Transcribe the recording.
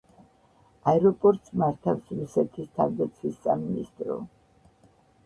აეროპორტს მართავს რუსეთის თავდაცვის სამინისტრო.